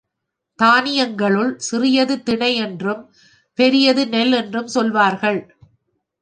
தானியங்களுள் சிறியது தினை என்றும், பெரியது நெல் என்றும் சொல்வார்கள்.